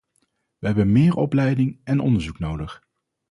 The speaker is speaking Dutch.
We hebben meer opleiding en onderzoek nodig.